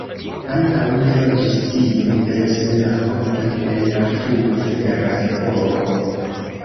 Ankaŭ ne loĝis tie dense la homoj en la frua fera epoko.